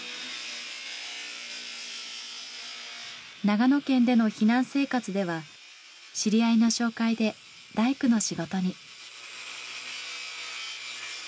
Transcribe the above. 長野県での避難生活では知り合いの紹介で大工の仕事に。